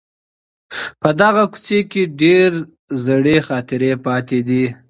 په دغه کوڅې کي ډېرې زړې خاطرې پاته دي.